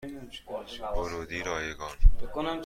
ورودی رایگان